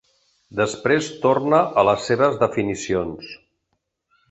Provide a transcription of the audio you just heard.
Després torna a les seves definicions.